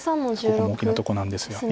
ここも大きなとこなんですよね。